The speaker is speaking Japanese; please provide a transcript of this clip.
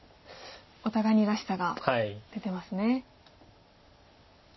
お互いにらしさが出てますね。